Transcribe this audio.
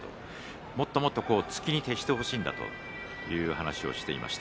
もっともっと突きに徹してほしいという話をしていました。